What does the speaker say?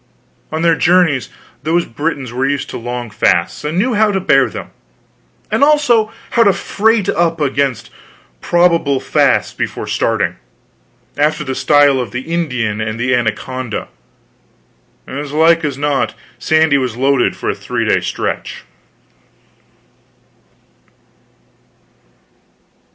On their journeys those Britons were used to long fasts, and knew how to bear them; and also how to freight up against probable fasts before starting, after the style of the Indian and the anaconda. As like as not, Sandy was loaded for a three day stretch.